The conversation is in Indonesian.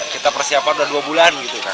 kita persiapan udah dua bulan gitu kan